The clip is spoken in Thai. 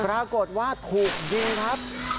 ปรากฏว่าถูกยิงครับ